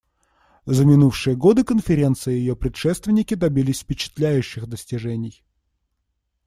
За минувшие годы Конференция и ее предшественники добились впечатляющих достижений.